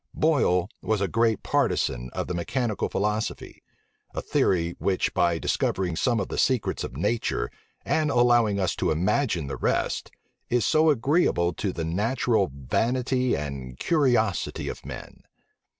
Boyle was a great partisan of the mechanical philosophy; a theory which by discovering some of the secrets of nature, and allowing us to imagine the rest, is so agreeable to the natural vanity and curiosity of men.